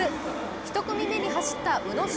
１組目に走った宇野勝